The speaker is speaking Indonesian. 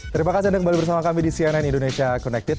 terima kasih anda kembali bersama kami di cnn indonesia connected